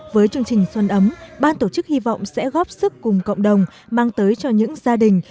với chương trình xuân ấm ban tổ chức hy vọng sẽ góp sức cùng cộng đồng mang tới cho những gia đình